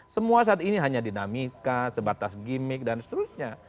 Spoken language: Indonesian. semua saat ini hanya dinamika sebatas gimmick dan seterusnya